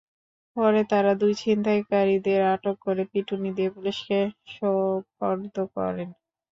পরে তাঁরা দুই ছিনতাইকারীদের আটক করে পিটুনি দিয়ে পুলিশে সোপর্দ করেন।